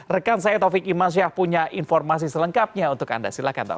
rekan saya taufik iman syah punya informasi selengkapnya untuk anda silahkan tahu